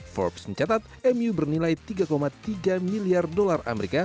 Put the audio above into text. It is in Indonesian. forbes mencatat mu bernilai tiga tiga miliar dolar amerika